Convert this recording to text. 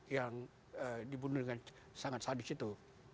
yang dibunuh dengan sangat sadis itu